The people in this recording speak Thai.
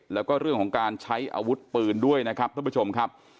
แล้วก็เรื่องของการใช้อาวุธปืนด้วยนะครับท่านผู้ชมครับ